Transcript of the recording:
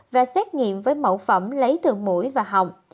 và xét nghiệm với mẫu phẩm lấy thường mũi và họng